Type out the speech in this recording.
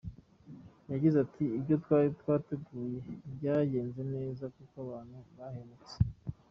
Yagize ati “Ibyo twari twateguye byagenze neza kuko abantu bahembutse.